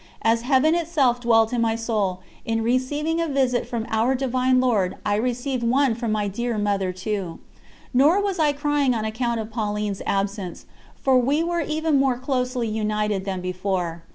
As Heaven itself dwelt in my soul, in receiving a visit from Our Divine Lord I received one from my dear Mother too. Nor was I crying on account of Pauline's absence, for we were even more closely united than before.